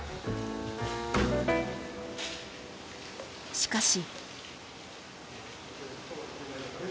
しかし。